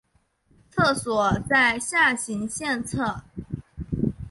厕所在下行线侧。